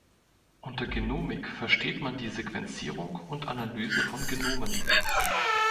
Unter Genomik versteht man die Sequenzierung und Analyse von Genomen.